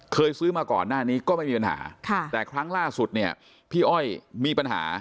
ซื้อมาก่อนหน้านี้ก็ไม่มีปัญหาแต่ครั้งล่าสุดเนี่ยพี่อ้อยมีปัญหา